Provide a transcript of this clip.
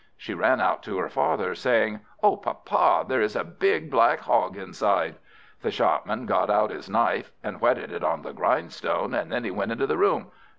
She ran out to her father, saying "O papa! there is a big black Hog inside!" The Shopman got out his knife, and whetted it on the grindstone, and then he went into the room.